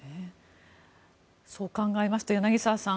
そう考えますと柳澤さん